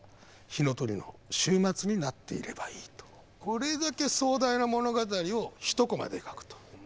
これだけ壮大な物語をひとコマで描くと。